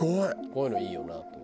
こういうのいいよなと。